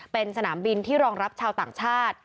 เป็นสนามบินที่รองรับชาวต่างชาติ